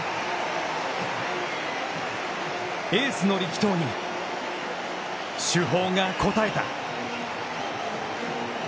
エースの力投に主砲が応えた。